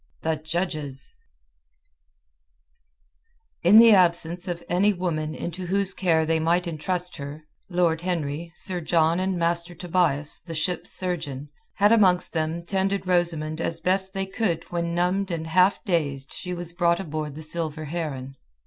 THE JUDGES In the absence of any woman into whose care they might entrust her, Lord Henry, Sir John, and Master Tobias, the ship's surgeon, had amongst them tended Rosamund as best they could when numbed and half dazed she was brought aboard the Silver Heron.